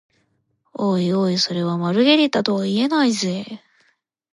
おいおい、それはマルゲリータとは言えないぜ？